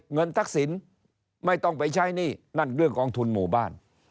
ทักษิณไม่ต้องไปใช้หนี้นั่นเรื่องกองทุนหมู่บ้าน